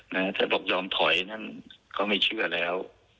นะถ้าบอกยอมถอยนั่นเขาไม่เชื่อแล้ว